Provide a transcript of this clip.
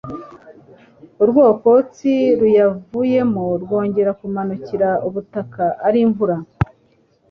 Urwokotsi ruyavuyemo rwongera kumanukira ubutaka ari imvura.